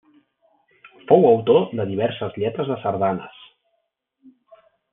Fou autor de diverses lletres de sardanes.